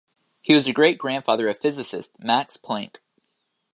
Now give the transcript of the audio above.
He was the great-grandfather of physicist Max Planck.